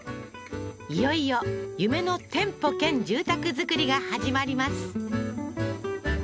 いよいよ夢の店舗兼住宅作りが始まります